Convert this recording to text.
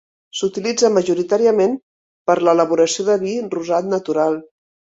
S'utilitza majoritàriament per l'elaboració de vi rosat natural.